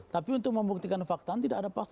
tapi untuk membuktikan faktaan tidak ada pasal